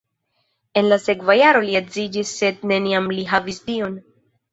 En la sekva jaro li edziĝis sed neniam li havis idon.